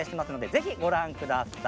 ぜひご覧ください。